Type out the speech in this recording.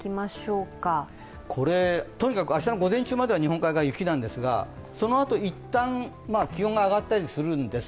明日の午前中までは日本海側雪なんですが、そのあといったん気温が上がったりするんです。